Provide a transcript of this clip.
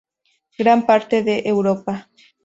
Gran parte de Europa.